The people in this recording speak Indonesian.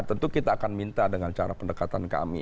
tentu kita akan minta dengan cara pendekatan kami